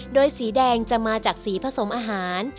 โดยสีแดงจะมาจากสีผสมอาหาร